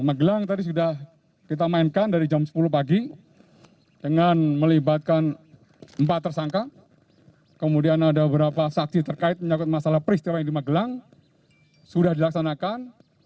magelang tadi sudah kita mainkan dari jam sepuluh pagi dengan melibatkan empat tersangka kemudian ada beberapa saksi terkait menyangkut masalah peristiwa yang di magelang sudah dilaksanakan